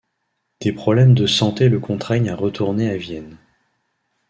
Des problèmes de santé le contraignent à retourner à Vienne.